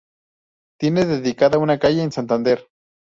Tiene dedicada una calle en Santander.